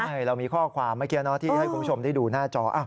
ใช่เรามีข้อความเมื่อกี้ที่ให้คุณผู้ชมได้ดูหน้าจอ